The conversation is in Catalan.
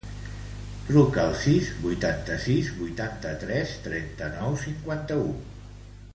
Truca al sis, vuitanta-sis, vuitanta-tres, trenta-nou, cinquanta-u.